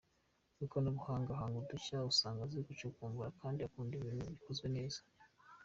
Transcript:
Mu ikoranabuhanga ahanga udushya usanga azi gucukumbura kandi akunda ibintu bikozwe neza.